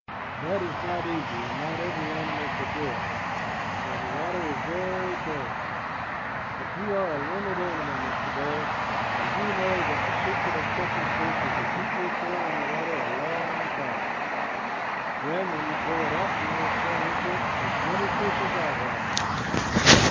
That is not easy, and not every animal could do it, for the water is very cold; but you are a learned animal, Mr. Bear, and you know that the secret of catching fish is to keep your tail in the water a long time. Then when you pull it up, you will pull with it as many fish as I have."